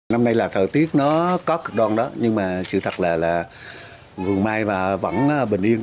năm nay là thời tiết nó có cực đoan đó nhưng mà sự thật là vườn mai và vẫn bình yên